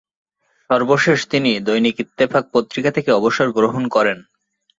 সর্বশেষ তিনি দৈনিক ইত্তেফাক পত্রিকা থেকে অবসর গ্রহণ করেন।